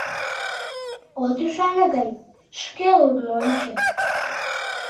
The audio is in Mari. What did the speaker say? От ӱшане гын, шке лудын ончо...